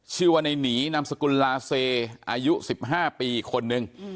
ชื่อว่าในหนีนามสกุลลาเซอายุ๑๕ปีอีกคนนึง